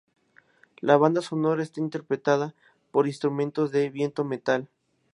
La banda sonora está interpretada por Instrumentos de viento-metal.